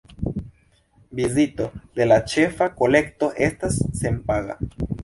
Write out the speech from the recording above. Vizito de la ĉefa kolekto estas senpaga.